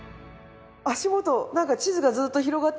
足元なんか地図がずっと広がってますね。